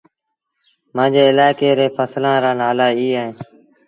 مآݩجي الآڪي ري ڦسلآن رآ نآلآ اي اهيݩ ۔